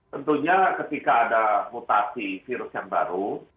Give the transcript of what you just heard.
tentunya ketika ada mutasi virus yang baru